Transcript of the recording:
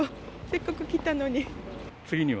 せっかく来たのに。